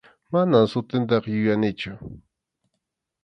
Manam sutintaqa yuyanichu.